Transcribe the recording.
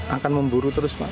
akan memburu terus pak